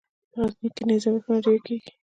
په غزني کې نیره وهنه ډېره کیږي.